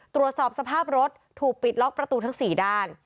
ตรวจสอบสภาพรถถูกปิดล็อกประตูทั้ง๔ด้าน